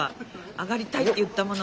「上がりたい」って言ったもの。